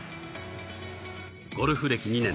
ゴルフ歴２年